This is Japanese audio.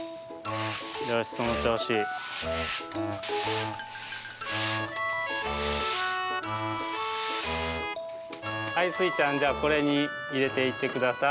よしそのちょうし。はいスイちゃんじゃあこれにいれていってください。